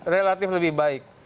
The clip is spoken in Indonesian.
relatif lebih baik